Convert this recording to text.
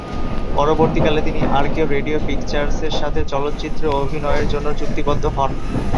পরবর্তীকালে তিনি আরকেও রেডিও পিকচার্সের সাথে চলচ্চিত্রে অভিনয়ের জন্য চুক্তিবদ্ধ হন।